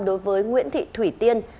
đối với nguyễn thị thủy tiên